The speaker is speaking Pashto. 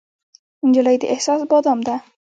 نجلۍ د احساس بادام ده.